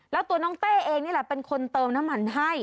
แล้วตัวน้องเต้เองนี่แหละเป็นคนเติมน้ำมันให้